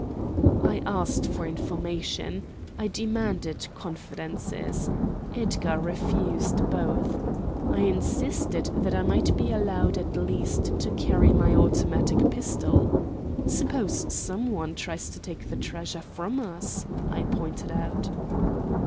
I asked for information. I demanded confidences. Edgar refused both. I insisted that I might be allowed at least to carry my automatic pistol. "Suppose some one tries to take the treasure from us?" I pointed out.